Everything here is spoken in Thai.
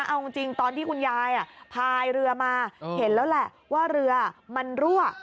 เอาจริงตอนที่คุณยายพายเรือมาเห็นแล้วแหละว่าเรือมันรั่ว